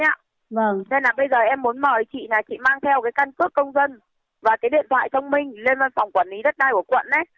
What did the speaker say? nên là bây giờ em muốn mời chị này chị mang theo cái căn cước công dân và cái điện thoại thông minh lên văn phòng quản lý đất đai của quận đấy